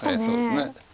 そうですね。